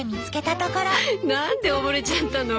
何で溺れちゃったの？